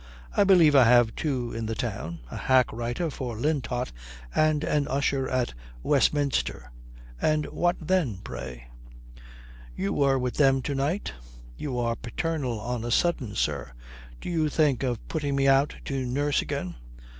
"I believe I have two in the town a hack writer for Lintot and an usher at Westminster. And what then, pray?" "You were with them to night?" "You are paternal on a sudden, sir. Do you think of putting me out to nurse again?"